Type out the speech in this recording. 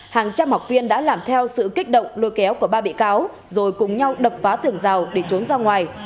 hàng trăm học viên đã làm theo sự kích động lôi kéo của ba bị cáo rồi cùng nhau đập phá tường rào để trốn ra ngoài